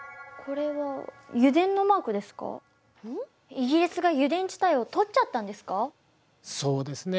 イギリスが油田地帯をとっちゃったんですか？